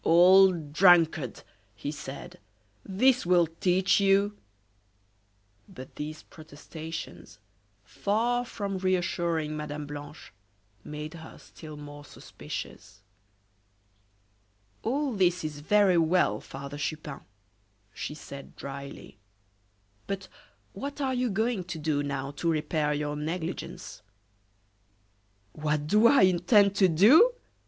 "Old drunkard!" he said, "this will teach you " But these protestations, far from reassuring Mme. Blanche, made her still more suspicious, "All this is very well, Father Chupin," she said, dryly, "but what are you going to do now to repair your negligence?" "What do I intend to do?"